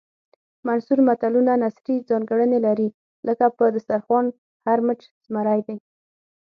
منثور متلونه نثري ځانګړنې لري لکه په دسترخوان هر مچ زمری دی